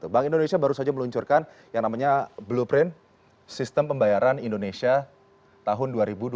bank indonesia baru saja meluncurkan yang namanya blueprint sistem pembayaran indonesia tahun dua ribu dua puluh